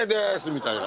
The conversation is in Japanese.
みたいな。